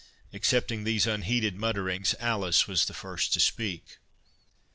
Excepting these unheeded mutterings, Alice was the first to speak.